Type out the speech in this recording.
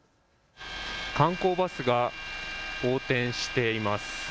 観光バスが横転しています。